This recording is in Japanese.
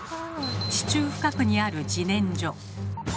地中深くにある自然薯。